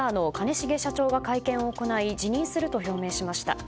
重社長が会見を行い辞任すると表明しました。